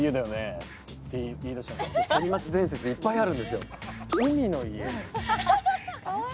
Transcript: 反町伝説、いっぱいあるんですよ。